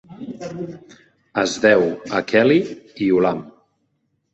Es deu a Kelly i Ulam.